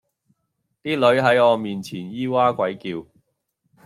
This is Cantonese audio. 啲女喺我面前咿哇鬼叫